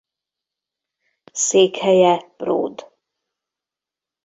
Székhelye Bród.